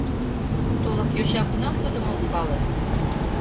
Тулык йоча кунам тудым ок пале!